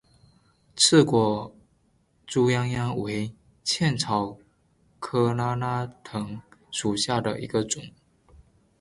刺果猪殃殃为茜草科拉拉藤属下的一个种。